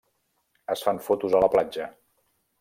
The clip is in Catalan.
Es fan fotos a la platja.